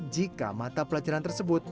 jika mata pelajaran tersebut